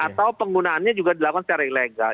atau penggunaannya juga dilakukan secara ilegal